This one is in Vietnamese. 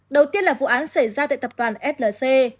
đầu tiên là vụ án xảy ra tại tập toàn slc